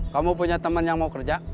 kamu punya teman yang mau kerja